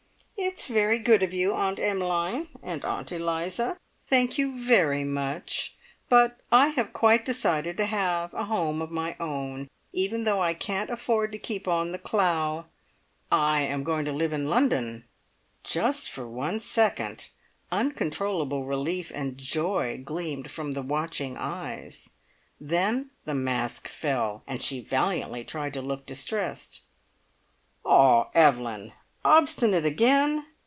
"It's very good of you, Aunt Emmeline. And Aunt Eliza. Thank you very much, but I have quite decided to have a home of my own, even though I can't afford to keep on The Clough. I am going to live in London." Just for one second, uncontrollable relief and joy gleamed from the watching eyes, then the mask fell, and she valiantly tried to look distressed. "Ah, Evelyn! Obstinate again!